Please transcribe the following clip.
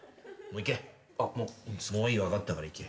もういい分かったから行け。